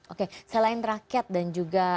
oke selain rakyat dan juga